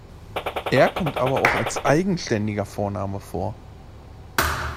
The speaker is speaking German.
Er kommt aber auch als eigenständiger Vorname vor.